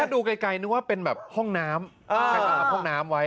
ถ้าดูไกลนึกว่าเป็นแบบห้องน้ำ